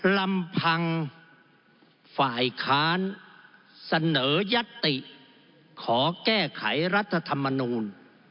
ลำพังฝ่ายค้านเสนอยัตติขอแก้ไขรัฐธรรมนูล